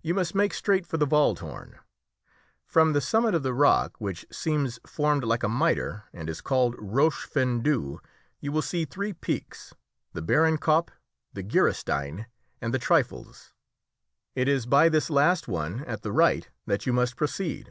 You must make straight for the Wald Horn. From the summit of the rock, which seems formed like a mitre, and is called Roche Fendue, you will see three peaks, the Behrenkopp, the Geierstein, and the Trielfels. It is by this last one at the right that you must proceed.